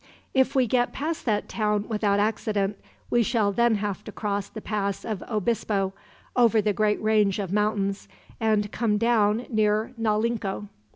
If we get past that town without accident, we shall then have to cross the Pass of Obispo, over the great range of mountains, and come down near Naulinco.